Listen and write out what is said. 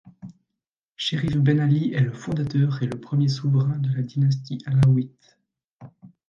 Chérif Ben Ali est le fondateur et le premier souverain de la dynastie alaouite.